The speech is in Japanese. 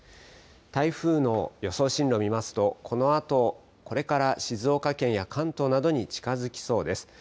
台風の予想進路見ますと、このあと、これから静岡県や関東などに近づきそうです。